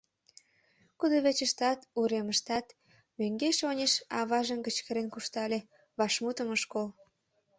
Кудывечыштат, уремыштат мӧҥгеш-оньыш аважым кычкырен куржтале — вашмутым ыш кол.